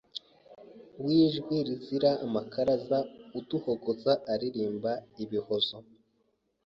W'ijwi rizira amakaraza Uduhogoza aririmba ibihozo